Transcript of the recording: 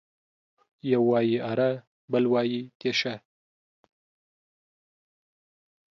يو وايي اره ، بل وايي تېشه.